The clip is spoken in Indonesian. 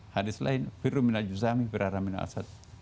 hadis lain firu minal juzami firaramin al sad